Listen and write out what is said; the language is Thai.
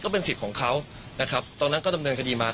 ก็เป็นสิทธิ์ของเขาตรงนั้นก็ดำเนินคดีมา